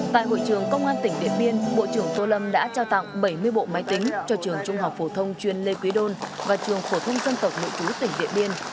tại hội trường công an tỉnh điện biên bộ trưởng tô lâm đã trao tặng bảy mươi bộ máy tính cho trường trung học phổ thông chuyên lê quý đôn và trường phổ thông dân tộc nội chú tỉnh điện biên